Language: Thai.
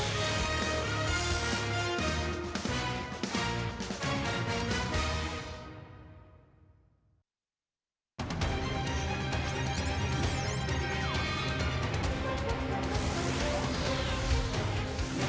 สวัสดีครับ